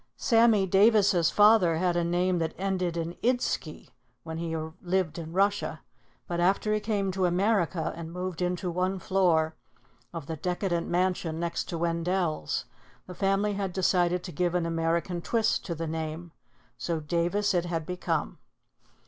Sammy Davis' father had a name that ended in idsky when he lived in Russia; but after he came to America and moved into one floor of the decadent mansion next to Wendell's, the family had decided to give an American twist to the name. So Davis it had become.